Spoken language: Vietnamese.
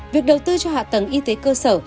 việc đầu tư cho hạ tầng y tế cơ sở